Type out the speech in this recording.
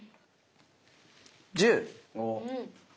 １０。